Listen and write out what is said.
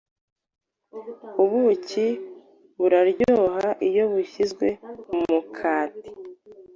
Ubuki buraryoha iyo busizwe mumukati